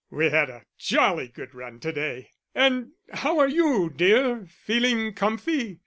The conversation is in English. "We had a jolly good run to day.... And how are you, dear, feeling comfy?